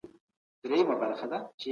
د بهرنیو چارو وزارت سیاسي پناه نه ورکوي.